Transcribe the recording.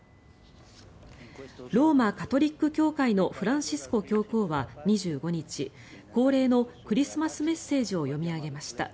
ローマ・カトリック教会のフランシスコ教皇は２５日恒例のクリスマスメッセージを読み上げました。